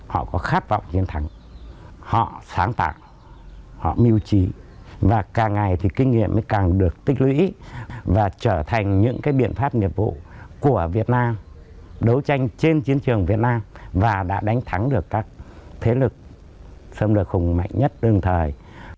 họ có khát vọng chiến thắng họ sáng tạo họ miêu trí và càng ngày thì kinh nghiệm mới càng được tích lũy và trở thành những cái biện pháp nghiệp vụ của việt nam đấu tranh trên chiến trường việt nam và đã đánh thắng được các thế lực xâm lược hùng mạnh nhất đương thời